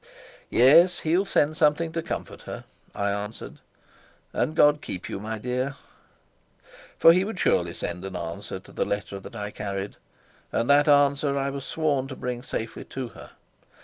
"Yes, he'll send something to comfort her," I answered. "And God keep you, my dear." For he would surely send an answer to the letter that I carried, and that answer I was sworn to bring safely to her.